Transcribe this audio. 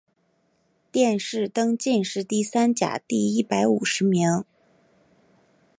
殿试登进士第三甲第一百五十名。